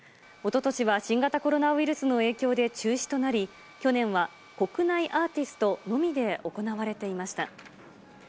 おととしは新型コロナウイルスの影響で中止となり、去年は国内アーティストのみで行われていました。